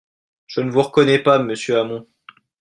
Je ne vous reconnais pas, monsieur Hamon